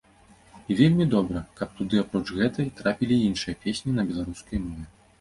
І вельмі добра, каб туды апроч гэтай, трапілі і іншыя песні на беларускай мове.